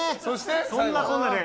そんなこんなで